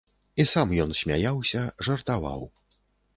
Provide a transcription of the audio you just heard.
І сам ён смяяўся, жартаваў.